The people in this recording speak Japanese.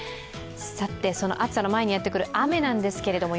暑さの前にやってくる雨なんですけれども、